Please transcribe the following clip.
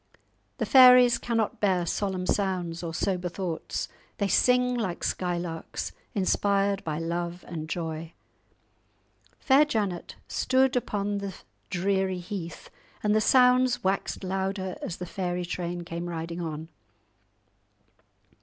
The fairies cannot bear solemn sounds or sober thoughts; they sing like skylarks, inspired by love and joy. Fair Janet stood upon the dreary heath, and the sounds waxed louder as the fairy train came riding on.